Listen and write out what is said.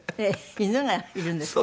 犬がいるんですか？